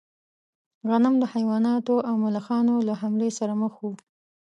غنم د حیواناتو او ملخانو له حملې سره مخ و.